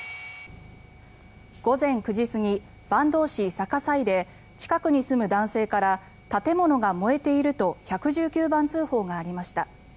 午前９時過ぎ坂東市逆井で近くに住む男性から建物が燃えていると１１９番通報がありました。